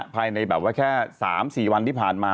ภายในแบบว่าแค่๓๔วันที่ผ่านมา